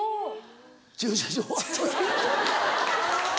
駐車場は。